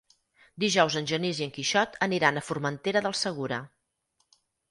Dijous en Genís i en Quixot aniran a Formentera del Segura.